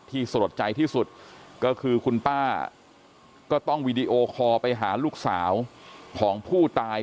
สลดใจที่สุดก็คือคุณป้าก็ต้องวีดีโอคอลไปหาลูกสาวของผู้ตาย